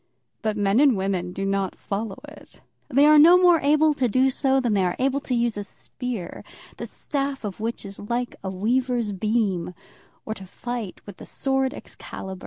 But men and women do not follow it. They are no more able to do so than they are to use a spear, the staff of which is like a weaver's beam, or to fight with the sword Excalibur.